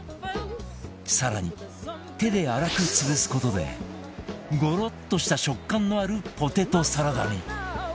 更に手で粗く潰す事でゴロッとした食感のあるポテトサラダに